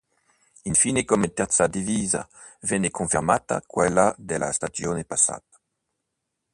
Infine, come terza divisa venne confermata quella della stagione passata.